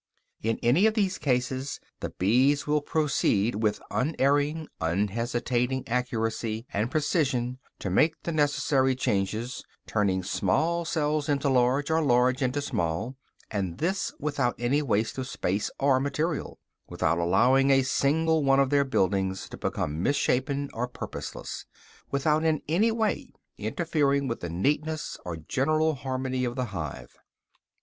In any of these cases the bees will proceed, with unerring, unhesitating accuracy and precision to make the necessary changes, turning small cells into large, and large into small; and this without any waste of space or material, without allowing a single one of their buildings to become mis shapen or purposeless, without in any way interfering with the neatness or general harmony of the hive.